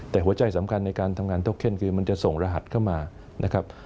แต่หัวใจสำคัญในการทำงานทุกเข้นคือมันจะส่งรหัสเข้ามานะครับ